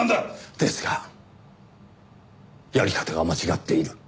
ですがやり方が間違っている。